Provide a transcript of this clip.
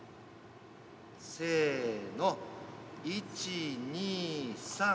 せーの、１、２、３。